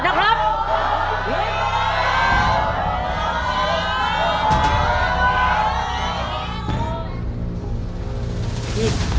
ครับบริโรงศาลีริกธาตุ